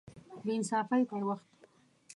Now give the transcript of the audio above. د بې انصافۍ پر وخت